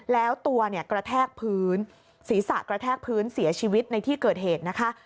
แล้วตัวเนี่ยกระแทกพื้นศีรษะกระแทกพื้นเสียชีวิตในที่เกิดเหตุนะคะ